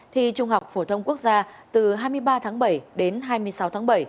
thi trung học phổ thông quốc gia từ hai mươi ba tháng bảy đến hai mươi sáu tháng bảy